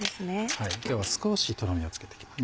今日は少しトロミをつけて行きます。